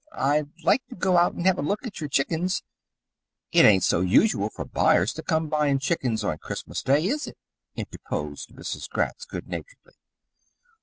I'd like to go out and have a look at your chickens " "It ain't so usual for buyers to come buying chickens on Christmas Day, is it?" interposed Mrs. Gratz, good naturedly.